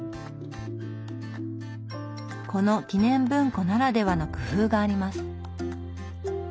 この記念文庫ならではの工夫があります。